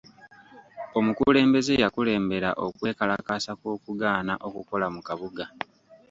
Omukulembeze yakulembera okwekalakasa kw'okugaana okukola mu kabuga.